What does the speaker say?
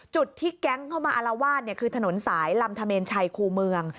จุดที่แก๊งเข้ามาอารวาสคือถนนสายลำธเมนชัยคู่เมือง